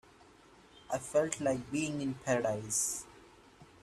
I felt like being in paradise.